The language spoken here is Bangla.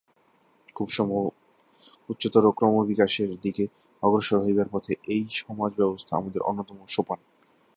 খুব সম্ভব উচ্চতর ক্রমবিকাশের দিকে অগ্রসর হইবার পথে এই সমাজ-ব্যবস্থা আমাদের অন্যতম সোপান।